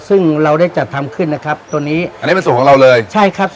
ซึ่งเราได้จัดทำขึ้นนะครับตัวนี้อันนี้เป็นสูตรของเราเลยใช่ครับ